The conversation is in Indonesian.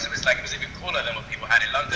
tapi sebenernya lebih keren dari yang orang ada di london